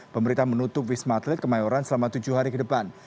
pemerintah menutup wisma atlet kemayoran selama tujuh hari ke depan